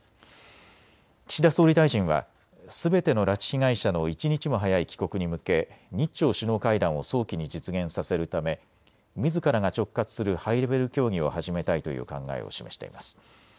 岸田総理大臣はすべての拉致被害者の一日も早い帰国に向け日朝首脳会談を早期に実現させるためみずからが直轄するハイレベル協議を始めたいという考えを示しています。